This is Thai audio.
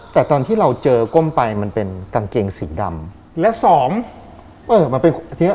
แต่ตอนที่เราเจอก้มไปมันเป็นกางเกงสีดำและสองเออมันเป็นอันเนี้ย